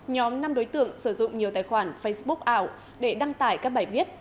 nhóm năm đối tượng sử dụng nhiều tài khoản facebook ảo để đăng tải các bài viết